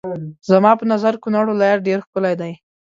زما په نظر کونړ ولايت ډېر ښکلی دی.